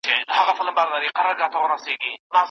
نن لکړي نڅومه میخانې چي هېر مي نه کې